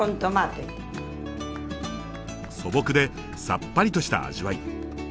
素朴でさっぱりとした味わい。